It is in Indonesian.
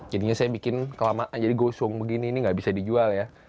jadinya saya bikin kelamaan jadi gosong begini ini nggak bisa dijual ya